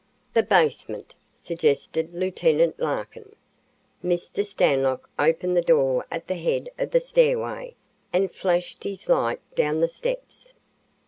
"The basement," suggested Lieut. Larkin. Mr. Stanlock opened the door at the head of the stairway and flashed his light down the steps.